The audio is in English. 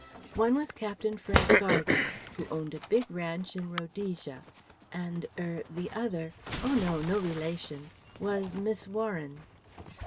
One was Captain Frank Gardner, who owned a big ranch in Rhodesia, and er the other oh no! no relation was Miss Warren....